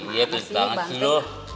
iya puji banget sih lo